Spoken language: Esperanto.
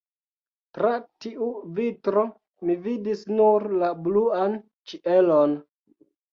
Tra tiu vitro mi vidis nur la bluan ĉielon.